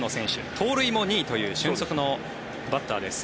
盗塁も２位という俊足のバッターです。